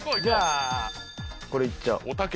じゃあこれ行っちゃおう。